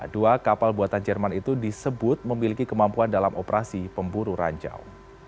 dua kapal buatan jerman itu disebut memiliki kemampuan dalam operasi pemburu ranjau